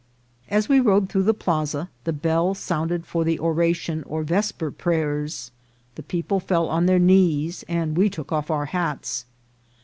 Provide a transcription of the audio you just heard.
As we rode through the plaza the bell sounded for the oracion or vesper prayers. The people fell on their knees and we took off our hats.